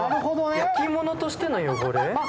焼き物としての汚れ？